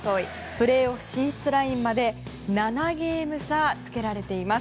プレーオフ進出ラインまで７ゲーム差つけられています。